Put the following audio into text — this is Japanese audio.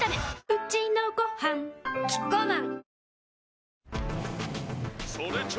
うちのごはんキッコーマン